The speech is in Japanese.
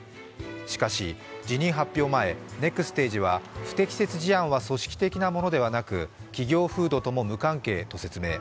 しかし、辞任発表前、ネクステージは不適切な事実は組織的なものではなく企業風土とも無関係と説明。